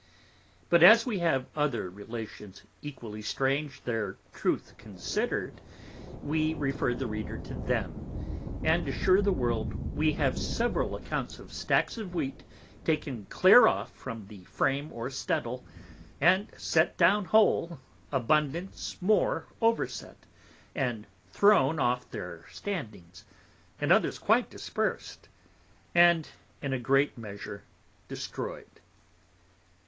But as we have other Relations equally strange, their Truth considered, we refer the Reader to them, and assure the World we have several Accounts of Stacks of Wheat taken clear off from the Frame or Steddal, and set down whole, abundance more over set, and thrown off from their standings, and others quite dispers'd, and in a great measure destroy'd.